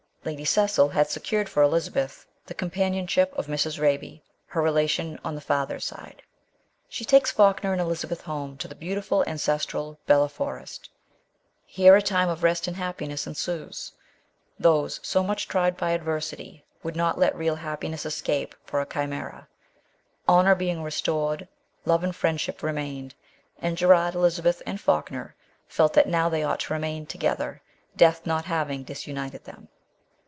Lady Cecil had secured for Elizabeth the companionship of Mrs. Raby, her relation on the father's side. She takes Falkner and Elizabeth home to the beautiful ancestral Belle forest. Here a time of rest and happiness ensues. Those so much tried by adversity would not let real happiness escape for a chimera; honour being restored, love and friendship remained, and Gerard, Elizabeth, and Falkner felt that now they ought to remain to gether, death not having disunited them.